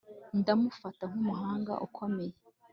Ndamufata nkumuhanga ukomeye